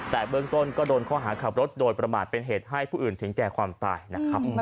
แต่เบื้องต้นก็โดนข้อหาขับรถโดยประมาทเป็นเหตุให้ผู้อื่นถึงแก่ความตายนะครับ